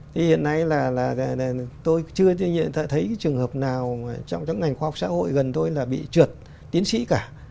thì hiện nay là tôi chưa thấy trường hợp nào trong các ngành khoa học xã hội gần tôi là bị trượt tiến sĩ cả